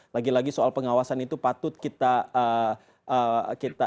lagi lagi soal pengawasan itu patut kita